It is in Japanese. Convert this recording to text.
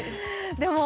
でも、